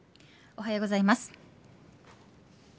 おはようございます。